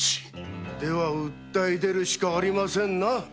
では訴え出るしかありませんな。